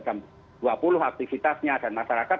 jam dua puluh aktivitasnya dan masyarakat